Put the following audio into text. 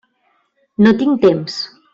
No tinc temps.